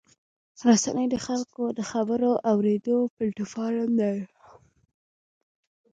رسنۍ د خلکو د خبرو اورېدو پلیټفارم دی.